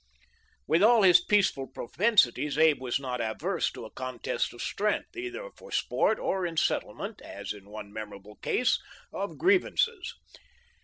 " With all his peaceful propensities Abe was not averse to a contest of strength, either for sport or in settlement — as in one memorable case — of griev ances.